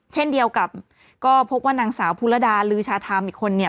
เช่นเดียวกับก็พบว่านางสาวภูระดาลือชาธรรมอีกคนเนี่ย